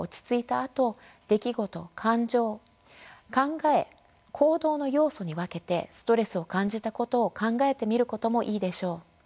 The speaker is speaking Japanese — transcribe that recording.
あと出来事感情考え行動の要素に分けてストレスを感じたことを考えてみることもいいでしょう。